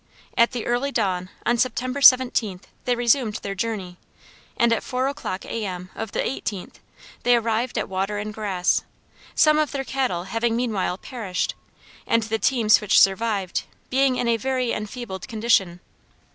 At the early dawn, on September 17th, they resumed their journey, and, at four o'clock A. M. of the 18th, they arrived at water and grass, some of their cattle having meanwhile perished, and the teams which survived being in a very enfeebled condition.